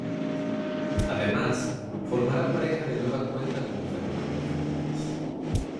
Además, formará pareja de nueva cuenta con Fernando Fernández.